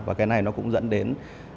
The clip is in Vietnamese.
và cái này nó cũng dẫn đến